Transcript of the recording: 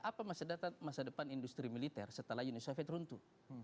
apa masa depan industri militer setelah yunus fidrin itu